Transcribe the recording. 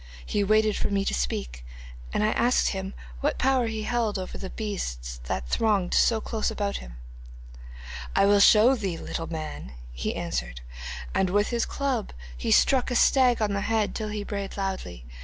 He waited for me to speak, and I asked him what power he held over the beasts that thronged so close about him. '"I will show thee, little man," he answered, and with his club he struck a stag on the head till he brayed loudly.